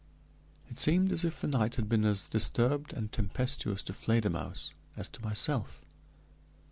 It seemed as if the night had been as disturbed and tempestuous to Fledermausse as to myself.